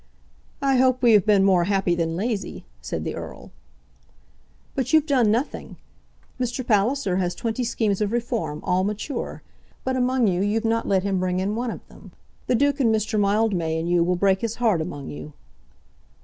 "I hope we have been more happy than lazy," said the Earl. "But you've done nothing. Mr. Palliser has twenty schemes of reform, all mature; but among you you've not let him bring in one of them. The Duke and Mr. Mildmay and you will break his heart among you."